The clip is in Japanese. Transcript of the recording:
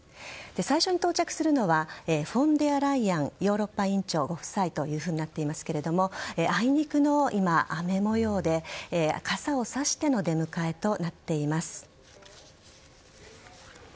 最初に到着するのはフォン・デア・ライエンヨーロッパ委員会ご夫妻ということですがあいにくの雨模様で傘をさしての出迎えとなっています。